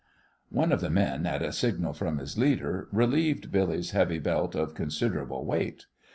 One of the men, at a signal from his leader, relieved Billy's heavy belt of considerable weight.